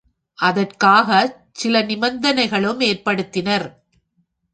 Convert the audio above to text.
அதற்காகச் சில நிபந்தனைகளும் ஏற்படுத்தினர்.